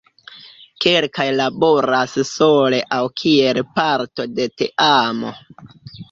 Kelkaj laboras sole aŭ kiel parto de teamo.